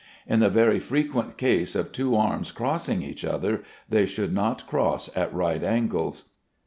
In the very frequent case of two arms crossing each other, they should not cross at right angles.